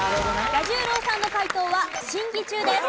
彌十郎さんの解答は審議中です。